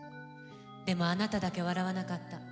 でもあなただけ笑わなかった。